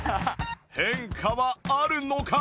変化はあるのか？